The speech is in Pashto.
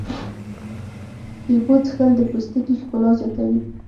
د اوبو څښل د پوستکي ښکلا زیاتوي.